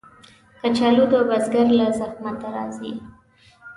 کچالو د بزګر له زحمته راځي